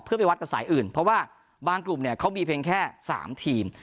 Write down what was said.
เพื่อไปวัดกับสายอื่นเพราะว่าบางกลุ่มเนี่ยเขามีเพียงแค่๓ทีม